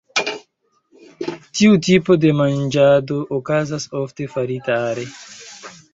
Tiu tipo de manĝado okazas ofte farita are.